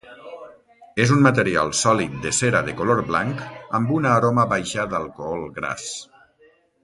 És un material sòlid de cera de color blanc amb una aroma baixa d'alcohol gras.